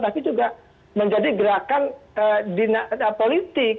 tapi juga menjadi gerakan politik